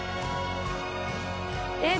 えっ？